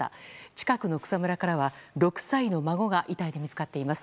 近くの草むらからは６歳の孫が遺体で見つかっています。